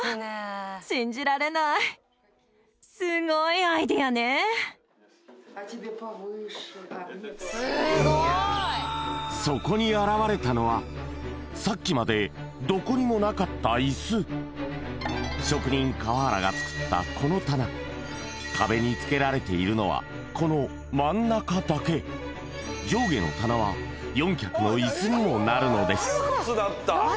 信じられないそこに現れたのはさっきまでどこにもなかった職人・川原が作ったこの棚壁につけられているのはこの真ん中だけ上下の棚は４脚の椅子にもなるのです